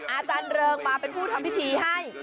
อาจารย์เริงมาเป็นผู้ทำพิธีให้